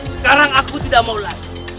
sekarang aku tidak mau lagi